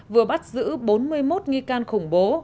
vừa bắt giữ bốn mươi một nghi can khủng bố